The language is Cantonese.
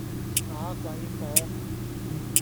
把鬼火